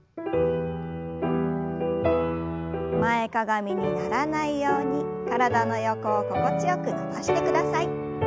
前かがみにならないように体の横を心地よく伸ばしてください。